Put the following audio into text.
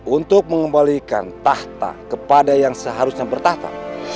untuk mengembalikan tahta kepada yang seharusnya bertahta